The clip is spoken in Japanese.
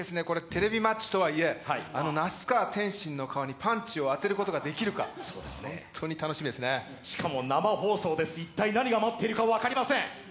テレビマッチとはいえ、那須川天心の顔にパンチを当てることができるか、しかも生放送です、何が待っているか分かりません。